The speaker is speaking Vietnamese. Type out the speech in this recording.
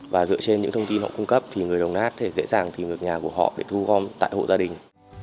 và dựa trên những thông tin họ cung cấp thì người đồng nát sẽ dễ dàng tìm được nhà của họ để thu gom tại hộ gia đình